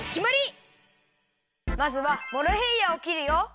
まずはモロヘイヤをきるよ！